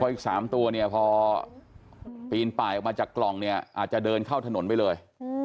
อีก๓ตัวเนี่ยพอปีนป่ายออกมาจากกล่องเนี่ยอาจจะเดินเข้าถนนไปเลย